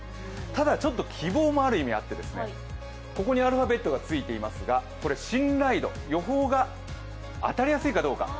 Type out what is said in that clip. ただ、希望もある意味あってここにアルファベットがついていますが、これは信頼度、予報が当たりやすいかどうか。